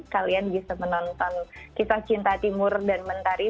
kalian bisa menonton kisah cinta timur dan mentari